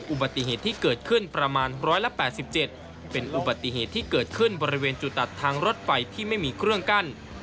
อุบัติเหตุที่เกิดขึ้นประมาณ๑๘๗เป็นอุบัติเหตุที่เกิดขึ้นบริเวณจุดตัดทางรถไฟที่ไม่มีเครื่องกั้น